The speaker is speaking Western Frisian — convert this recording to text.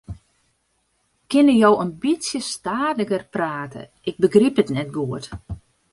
Kinne jo in bytsje stadiger prate, ik begryp it net goed.